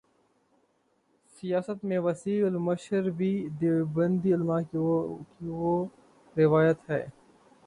سیاست میں وسیع المشربی دیوبندی علما کی وہ روایت ہے۔